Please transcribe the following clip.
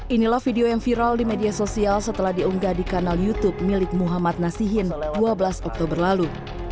inilah video yang viral di media sosial setelah diunggah di kanal youtube milik muhammad nasihin dua belas oktober lalu